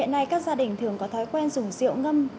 ngày một mươi bảy tháng bốn năm hai nghìn một mươi chín